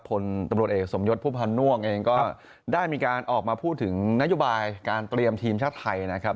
ผลตำรวจเอกสมยศพุ่มพันธ์ม่วงเองก็ได้มีการออกมาพูดถึงนโยบายการเตรียมทีมชาติไทยนะครับ